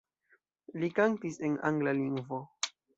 Li kantis en angla lingvo.